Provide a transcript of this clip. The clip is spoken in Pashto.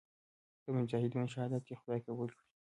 د مجاهدینو شهادت دې خدای قبول کړي.